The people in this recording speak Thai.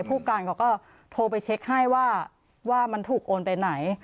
ผู้การเขาก็โทรไปเช็คให้ว่ามันถูกโอนไปไหน